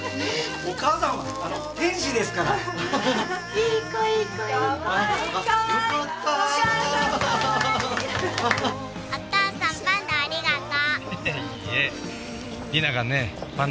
お母さんパンダありがとう。